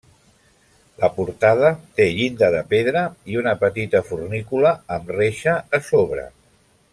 La portada té llinda de pedra i una petita fornícula amb reixa a sobre.